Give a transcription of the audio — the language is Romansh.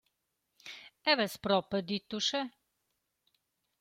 Eu vess propa dit uschè.